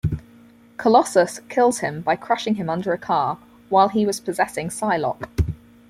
Colossus kills him by crushing him under a car, while he was possessing Psylocke.